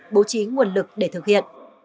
bố trí nguồn lực để thực hiện